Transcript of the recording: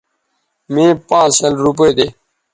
مے پانز شل روپے دے